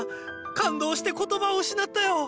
感動して言葉を失ったよ！